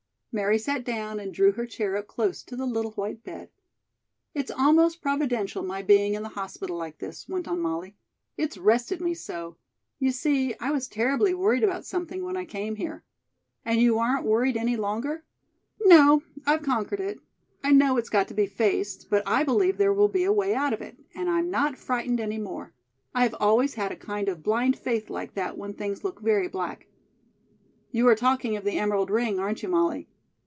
Mary sat down and drew her chair up close to the little white bed. "It's almost providential my being in the hospital like this," went on Molly, "it's rested me so. You see, I was terribly worried about something when I came here." "And you aren't worried any longer?" "No; I've conquered it. I know it's got to be faced; but I believe there will be a way out of it, and I'm not frightened any more. I have always had a kind of blind faith like that when things look very black." "You are talking of the emerald ring, aren't you, Molly?"